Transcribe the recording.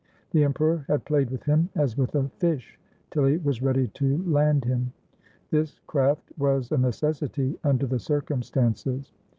The emperor had played with him as with a fish, till he was ready to land him. This craft was a necessity under the circumstances.